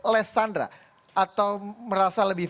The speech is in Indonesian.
lesandra atau merasa lebih